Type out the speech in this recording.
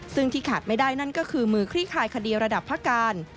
ซึ่งที่ขาดไม่ได้นั่นก็คือมือคลี่คายคดีระดับพระการ